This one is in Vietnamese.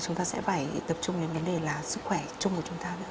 chúng ta sẽ phải tập trung đến vấn đề là sức khỏe chung của chúng ta